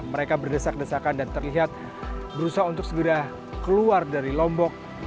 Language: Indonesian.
mereka berdesak desakan dan terlihat berusaha untuk segera keluar dari lombok